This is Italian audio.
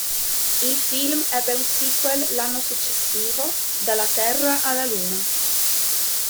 Il film ebbe un sequel l'anno successivo, "Dalla Terra alla Luna".